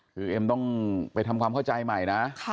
คือเอ็มต้องไปทำความเข้าใจใหม่นะ